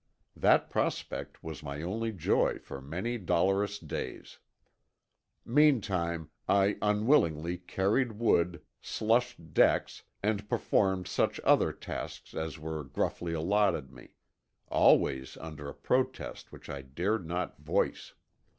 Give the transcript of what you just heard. That prospect was my only joy for many dolorous days. Meantime I unwillingly carried wood, slushed decks, and performed such other tasks as were gruffly allotted me; always under a protest which I dared not voice.